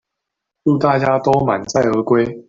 祝福大家都滿載而歸